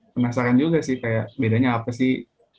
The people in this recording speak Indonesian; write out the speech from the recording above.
penasaran juga sih kayak bedanya apa sih